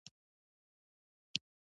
موټر پارک ته نژدې ودرید.